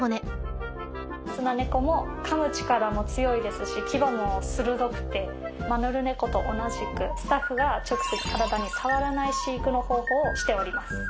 スナネコもかむ力も強いですし牙も鋭くてマヌルネコと同じくスタッフが直接体に触らない飼育の方法をしております。